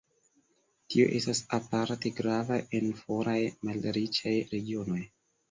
Tio estas aparte grava en foraj malriĉaj regionoj.